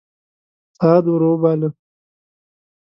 سعد ور وباله.